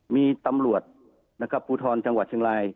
มีตำรวจนะครับภูทรจังหวัดเชียงราย